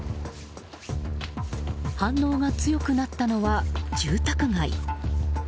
反応が強くなったのは住宅街。